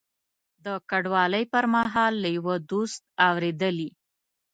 د کډوالۍ پر مهال له یوه دوست اورېدلي.